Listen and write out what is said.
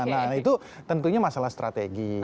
nah itu tentunya masalah strategi